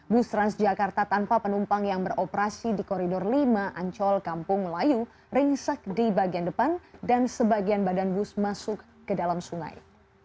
bus transjakarta tanpa penumpang yang beroperasi di koridor lima ancol kampung melayu ringsek di bagian depan dan sebagian badan bus masuk ke dalam sungai